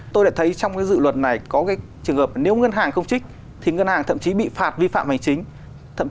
tôi đã thấy trong cái dự luật này có cái trường hợp nếu ngân hàng không trích thì ngân hàng thậm chí bị phạt vi phạm hành chính